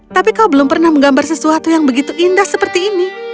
tapi kau belum pernah menggambar sesuatu yang begitu indah seperti ini